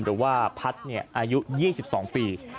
หรือว่าพัทร์เนี่ยอายุ๒๒ปี